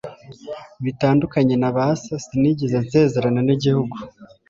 bitandukanye na ba so, sinigeze nsezerana n'igihugu